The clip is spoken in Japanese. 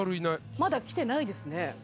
まだ来てないですね。